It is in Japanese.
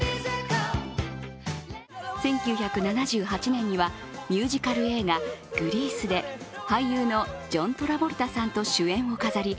１９７８年にはミュージカル映画「グリース」で俳優のジョン・トラボルタさんと主演を飾り